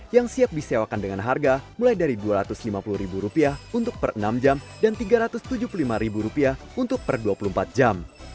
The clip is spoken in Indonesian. yang siap disewakan dengan harga mulai dari rp dua ratus lima puluh untuk per enam jam dan rp tiga ratus tujuh puluh lima untuk per dua puluh empat jam